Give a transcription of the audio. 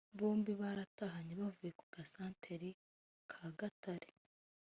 Bombi baratahanye bavuye ku gasantere ka Gatare